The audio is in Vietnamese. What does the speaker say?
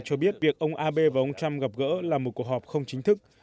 cho biết việc ông abe và ông trump gặp gỡ là một cuộc họp không chính thức